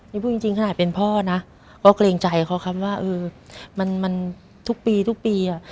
นี่พูดจริงขนาดเป็นพ่อนะก็เกรงใจเขาครับว่าเออมันทุกปีทุกปีอ่ะ